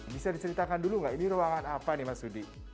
bisa diceritakan dulu nggak ini ruangan apa nih mas yudi